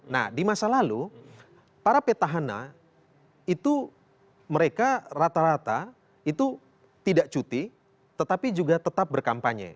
nah di masa lalu para petahana itu mereka rata rata itu tidak cuti tetapi juga tetap berkampanye